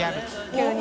急に。